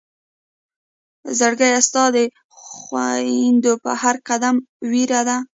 زړګيه ستا د خوئيدو په هر قدم وئيره ده